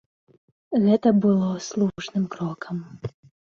Гэта было слушным крокам.